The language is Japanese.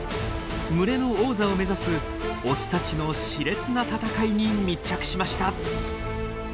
群れの王座を目指すオスたちの熾烈な戦いに密着しました。